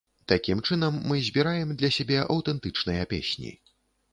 Такім чынам мы збіраем для сябе аўтэнтычныя песні.